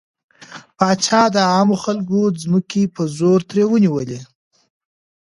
پاچا د عامو خلکو ځمکې په زور ترې ونيولې.